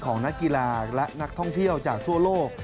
นักกีฬาและนักท่องเที่ยวจากทั่วโลก